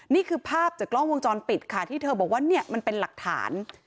นี่คือภาพจากกล้องวงจรปิดค่ะที่เธอบอกว่าเนี่ยมันเป็นหลักฐาน